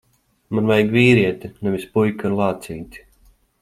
Man vajag vīrieti, nevis puiku ar lācīti.